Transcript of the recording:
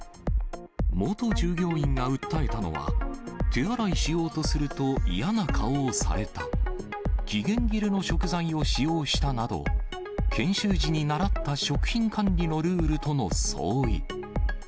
元従業員が訴えたのは、手洗いしようとすると嫌な顔をされた、期限切れの食材を使用したなど、研修時に習った食品管理のルールとの相違。